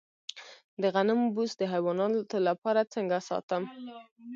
د غنمو بوس د حیواناتو لپاره څنګه ساتم؟